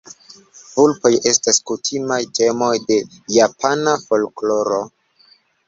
Vulpoj estas kutimaj temoj de japana folkloro.